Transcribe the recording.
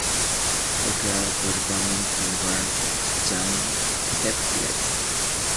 Fue creado por Damon Albarn y Jamie Hewlett.